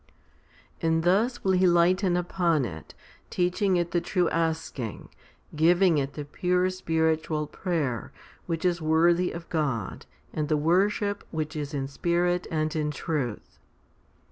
2. And thus will He lighten upon it, teaching it the true asking, giving it the pure spiritual prayer, which is worthy of God, and the worship which is in spirit and' in truth.